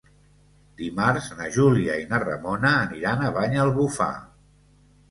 Dimarts na Júlia i na Ramona aniran a Banyalbufar.